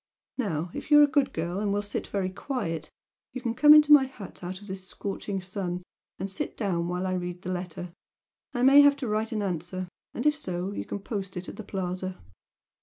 Now if you are a good girl, and will sit very quiet, you can come into my hut out of this scorching sun, and sit down while I read the letter I may have to write an answer and if so you can post it at the Plaza."